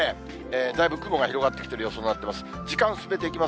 だいぶ雲が広がってくる予想になってます。